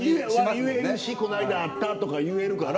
言えるしこないだあったとか言えるから。